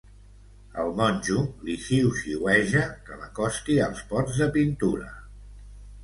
El monjo li xiuxiueja que l'acosti als pots de pintura.